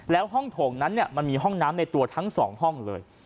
แล้วห้องโถงนั้นมันมีห้องน้ำในตัวทั้ง๒ห้องเลย